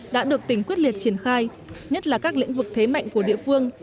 đã được tỉnh quyết liệt triển khai nhất là các lĩnh vực thế mạnh của địa phương